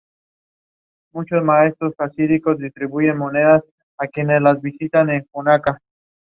When "Trial" arrived back in Bengal she remained in local service.